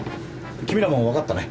君らも分かったね。